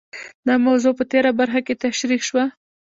دا موضوع په تېره برخه کې تشرېح شوه.